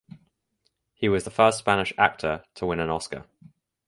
He was the first Spanish actor to win an Oscar.